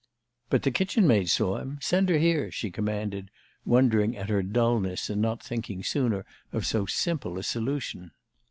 "But the kitchen maid saw him. Send her here," she commanded, wondering at her dullness in not thinking sooner of so simple a solution.